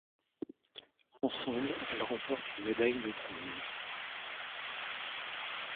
Ensemble, elles remportent une médaille de bronze.